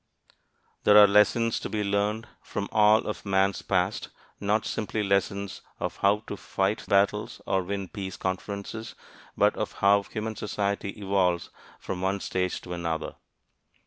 There are lessons to be learned from all of man's past, not simply lessons of how to fight battles or win peace conferences, but of how human society evolves from one stage to another.